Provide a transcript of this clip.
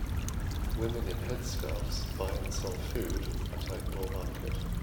Women in headscarves buy and sell food at outdoor market.